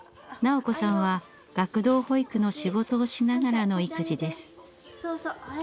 斉子さんは学童保育の仕事をしながらの育児です。